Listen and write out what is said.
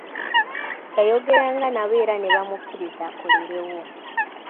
Yayogeranga nabo era nebamukiriza akolerewo.